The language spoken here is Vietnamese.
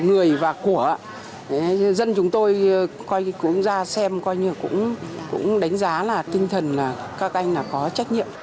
người và của dân chúng tôi cũng ra xem cũng đánh giá là tinh thần các anh là có trách nhiệm